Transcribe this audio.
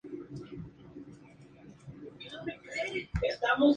Su pensamiento evoluciona hacia la escuela del empirismo lógico.